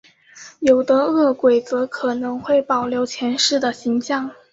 有的饿鬼则可能会保留前世的形象。